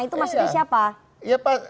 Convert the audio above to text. itu maksudnya siapa